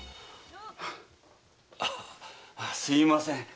あすいません。